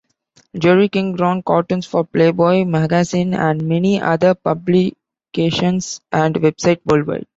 Jerry King draws cartoons for Playboy Magazine and many other publications and websites worldwide.